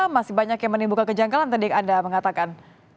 masih banyak yang menimbulkan kejanggalan tadi anda mengatakan